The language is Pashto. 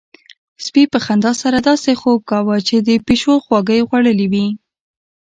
سپي په خندا سره داسې خوب کاوه چې د پيشو خواږه يې خوړلي وي.